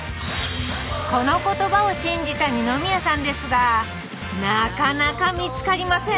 この言葉を信じた二宮さんですがなかなか見つかりません